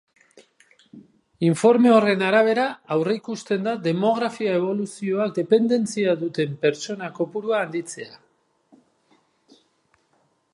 Informe horren arabera aurreikusten da demografia eboluzioak dependentzia duten pertsona kopurua handitzea.